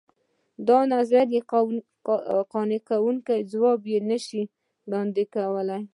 دا نظریې قانع کوونکي ځوابونه نه شي وړاندې کولای.